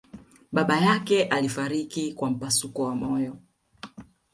baba yake alifariki kwa mpasuko wa moyo